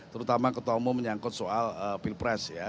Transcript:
terutama ketemu menyangkut soal pilpres ya